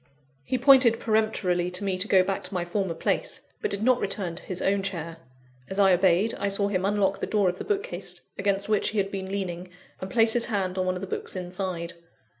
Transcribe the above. He pointed peremptorily to me to go back to my former place, but did not return to his own chair. As I obeyed, I saw him unlock the door of the bookcase against which he had been leaning, and place his hand on one of the books inside.